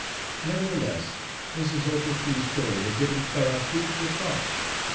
Nevertheless, Mrs. Ochiltree's story had given Clara food for thought.